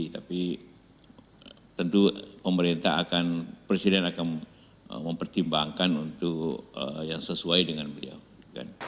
tapi tentu pemerintah akan presiden akan mempertimbangkan untuk yang sesuai dengan beliau